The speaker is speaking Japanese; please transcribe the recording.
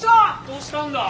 どうしたんだ？